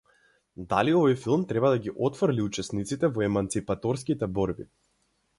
Дали овој филм треба да ги отфрли учесниците во еманципаторските борби?